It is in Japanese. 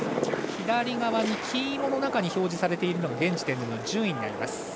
左側の黄色の中に表示されているのが現時点の順位になります。